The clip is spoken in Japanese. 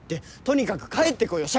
とにかく帰ってこいよ。